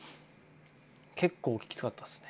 結構きつかったですね。